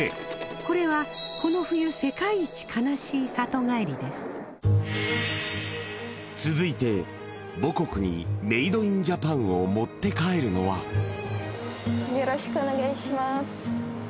これはこの冬続いて母国にメイドインジャパンを持って帰るのはよろしくお願いします